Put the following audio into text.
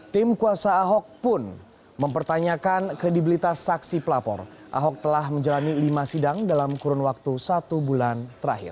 tim kuasa ahok pun mempertanyakan kredibilitas saksi pelapor ahok telah menjalani lima sidang dalam kurun waktu satu bulan terakhir